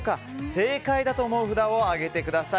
正解だと思う札を上げてください。